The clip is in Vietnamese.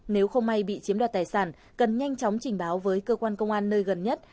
nếu không may bị chiếm đoạt tài sản cần nhanh chóng trình báo với cơ quan công an nơi gần nhất